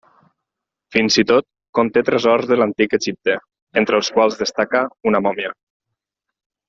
Fins i tot, conté tresors de l'antic Egipte, entre els quals destaca una mòmia.